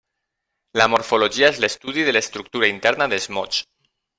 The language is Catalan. La morfologia és l’estudi de l’estructura interna dels mots.